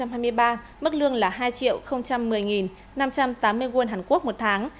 năm hai nghìn hai mươi ba mức lương là hai triệu một mươi năm trăm tám mươi quân hàn quốc một tháng